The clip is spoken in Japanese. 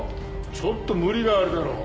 ちょっと無理があるだろう。